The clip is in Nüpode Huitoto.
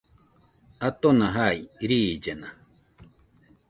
Atona jai, riillena